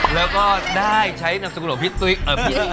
แล้วก็ได้ใช้นามสกุลของพี่ตุ๊ก